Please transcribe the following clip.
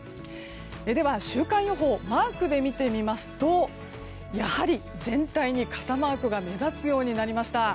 では週間予報マークで見てみますとやはり全体に傘マークが目立つようになりました。